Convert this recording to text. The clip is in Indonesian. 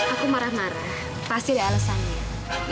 aku marah marah pasti ada alasannya